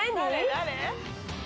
誰？